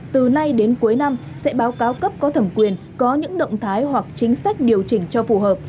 từ nay đến cuối năm sẽ báo cáo cấp có thẩm quyền có những động thái hoặc chính sách điều chỉnh cho phù hợp